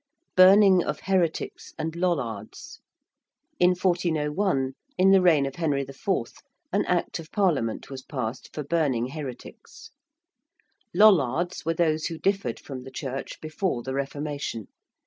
~Burning of heretics and Lollards~: in 1401, in the reign of Henry IV., an Act of Parliament was passed for burning heretics. ~Lollards~ were those who differed from the Church before the Reformation.